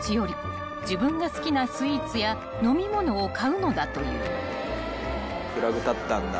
自分が好きなスイーツや飲み物を買うのだという］